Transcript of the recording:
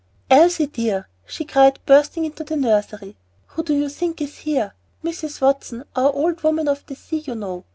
"Elsie dear," she cried, bursting into the nursery, "who do you think is here? Mrs. Watson, our old woman of the Sea, you know.